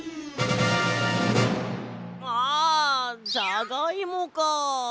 ああじゃがいもか。